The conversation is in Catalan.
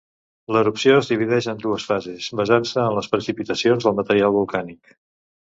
L'erupció es divideix en deu fases, basant-se en les precipitacions del material volcànic.